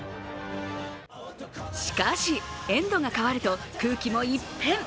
しかし、エンドが変わると空気も一変。